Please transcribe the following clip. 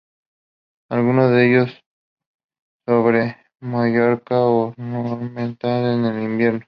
Algunos de ellos sobre Mallorca o Núremberg en el invierno.